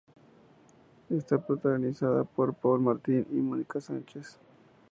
Está protagonizada por Paul Martin y Mónica Sánchez.